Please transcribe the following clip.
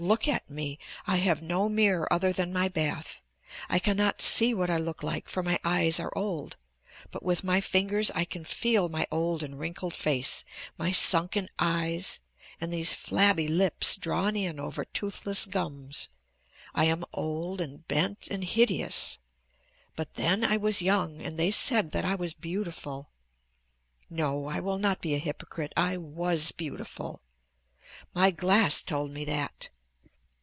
Look at me. I have no mirror other than my bath, I cannot see what I look like for my eyes are old, but with my fingers I can feel my old and wrinkled face, my sunken eyes, and these flabby lips drawn in over toothless gums. I am old and bent and hideous, but then I was young and they said that I was beautiful. No, I will not be a hypocrite; I was beautiful. My glass told me that.